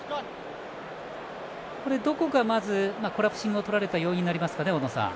どこがコラプシングをとられた要因になりますか、大野さん。